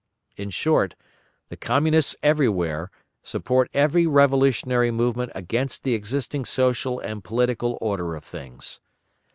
In short, the Communists everywhere support every revolutionary movement against the existing social and political order of things.